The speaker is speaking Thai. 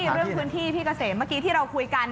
เรื่องพื้นที่พี่เกษมเมื่อกี้ที่เราคุยกัน